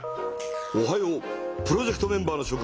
おはようプロジェクトメンバーのしょ君。